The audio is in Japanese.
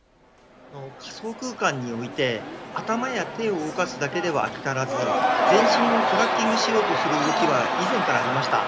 仮想空間において頭や手を動かすだけでは飽き足らず全身をトラッキングしようとする動きは以前からありました。